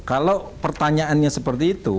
kalau pertanyaannya seperti itu